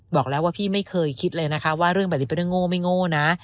บอกแล้วว่าพี่ไม่เคยคิดเลยนะคะว่าเรื่องแบบนี้เป็นเรื่องโง่ไม่โง่นะ